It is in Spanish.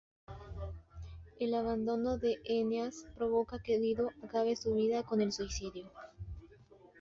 El abandono de Eneas provoca que Dido acabe su vida con el suicidio.